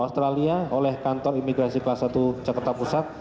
dan diperkenalkan oleh kantor imigrasi kelas satu jakarta pusat